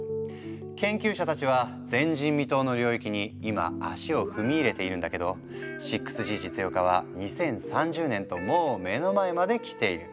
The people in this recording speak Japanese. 研究者たちは前人未踏の領域に今足を踏み入れているんだけど６Ｇ実用化は２０３０年ともう目の前まで来ている。